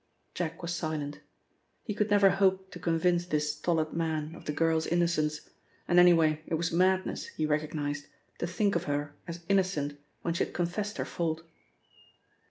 Jack was silent. He could never hope to convince this stolid man of the girl's innocence and anyway it was madness, he recognised, to think of her as innocent when she had confessed her fault.